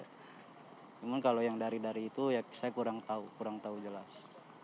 cuma kalau yang dari dari itu ya saya kurang tahu kurang tahu jelas